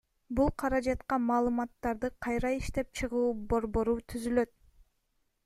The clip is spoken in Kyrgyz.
Бул каражатка Маалыматтарды кайра иштеп чыгуу борбору түзүлөт.